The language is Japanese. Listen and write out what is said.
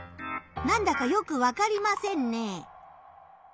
なんだかよくわかりませんね。